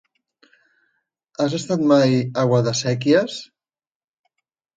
Has estat mai a Guadasséquies?